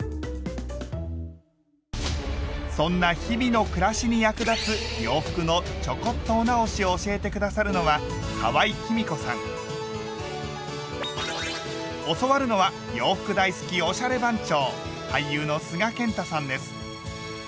そんな日々の暮らしに役立つ洋服のちょこっとお直しを教えて下さるのは教わるのは洋服大好きおしゃれ番長！